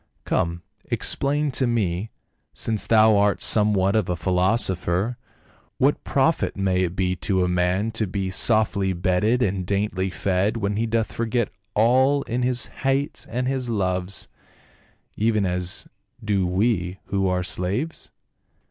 Come, explain to me — since thou art some what of a philosopher, what profit may it be to a man to be softly bedded and daintily fed when he doth forget all in his hates and his loves, even as do we who are slaves